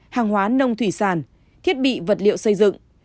hàng hóa nông thủy sản thiết bị vật liệu xây dựng